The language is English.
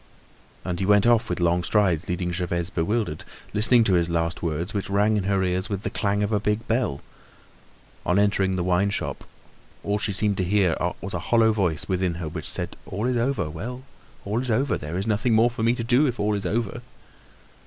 And he went off with long strides, leaving Gervaise bewildered, listening to his last words which rang in her ears with the clang of a big bell. On entering the wine shop, she seemed to hear a hollow voice within her which said, "All is over, well! All is over; there is nothing more for me to do if all is over!"